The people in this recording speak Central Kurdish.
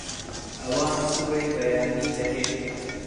ئەوان سبەی بەیانی دەهێن